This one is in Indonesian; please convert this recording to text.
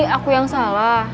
aku yang salah